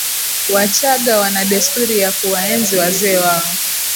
wachagga wana desturi ya kuwaenzi wazee wao